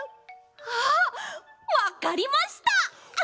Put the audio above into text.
あっわかりました！